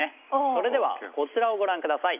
それではこちらをご覧ください。